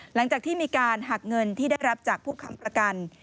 หลังจากที่มีการหักเงินที่ได้รับจากผู้ค้ำประกัน